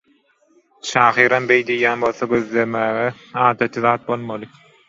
Şahyram beý diýýän bolsa gözlemegä adaty zat bolmaly.